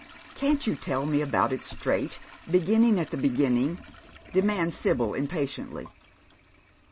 " Can't you tell me about it straight — beginning at the begin ning ?" demands Sibyl, impatiently.